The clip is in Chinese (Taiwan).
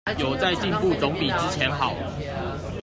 有在進步總比之前好